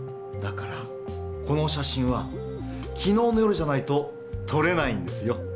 だからこの写真はきのうの夜じゃないととれないんですよ。